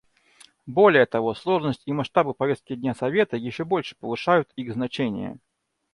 Более того, сложность и масштабы повестки дня Совета еще больше повышают их значение.